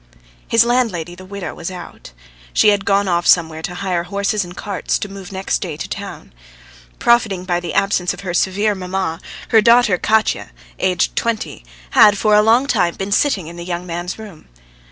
His landlady, the widow, was out. She had gone off somewhere to hire horses and carts to move next day to town. Profiting by the absence of her severe mamma, her daughter Katya, aged twenty, had for a long time been sitting in the young man's room.